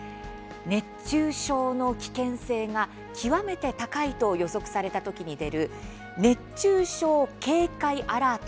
熱中症の危険性が極めて高いと予測された時に出る熱中症警戒アラート。